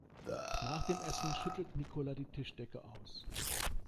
Nach dem Essen schüttelt Nicola die Tischdecke aus.